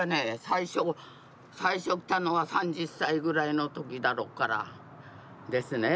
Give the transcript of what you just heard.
最初最初来たのは３０歳ぐらいの時だろうからですね。